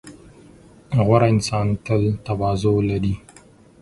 • غوره انسان تل تواضع لري.